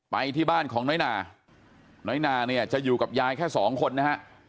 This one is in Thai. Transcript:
ไปที่บ้านของน้อยนาน้อยนาเนี่ยจะอยู่กับยายแค่สองคนนะฮะ